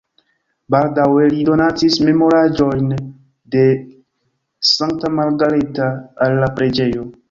Baldaŭe li donacis memoraĵojn de Sankta Margareta al la preĝejo.